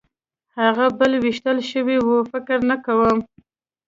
هغه بل وېشتل شوی و؟ فکر نه کوم.